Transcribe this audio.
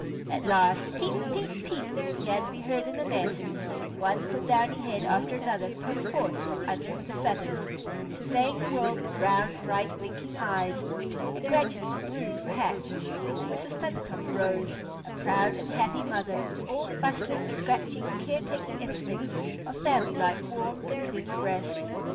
At last "Peep, peep, peep," began to be heard in the nest, and one little downy head after another poked forth from under the feathers, surveying the world with round, bright, winking eyes; and gradually the brood were hatched, and Mrs. Feathertop arose, a proud and happy mother, with all the bustling, scratching, care taking instincts of family life warm within her breast.